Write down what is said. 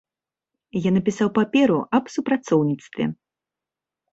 Я напісаў паперу аб супрацоўніцтве.